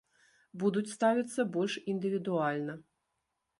Будуць ставіцца больш індывідуальна.